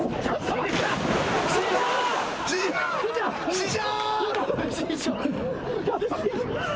師匠！